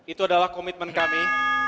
itu adalah komitmen kami